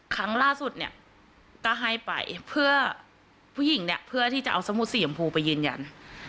ครั้งล่าสุดเนี่ยก็ให้ไปเพื่อผู้หญิงเนี่ยเพื่อที่จะเอาสมุดสีชมพูไปยืนยัน